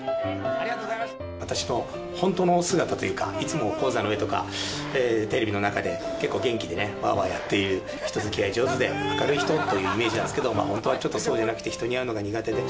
私の本当の姿というか、いつも高座の上とか、テレビの中で結構元気でわーわーやっている、人づきあい上手で明るい人っていうイメージなんですけど、本当はちょっとそうじゃなくて、人に会うのが苦手で。